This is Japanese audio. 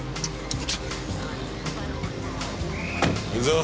行くぞ。